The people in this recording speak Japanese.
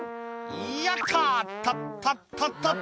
「よっととっとっとっと」